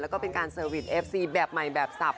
แล้วก็เป็นการเซอร์วิสเอฟซีแบบใหม่แบบสับ